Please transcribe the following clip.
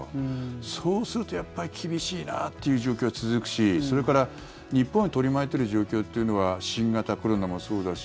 そうすると、やっぱり厳しいなっていう状況は続くしそれから日本を取り巻いている状況というのは新型コロナもそうだし